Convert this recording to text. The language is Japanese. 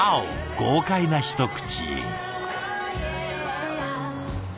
豪快な一口。